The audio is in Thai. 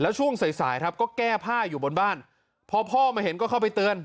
ช่วงสายสายครับก็แก้ผ้าอยู่บนบ้านพอพ่อมาเห็นก็เข้าไปเตือน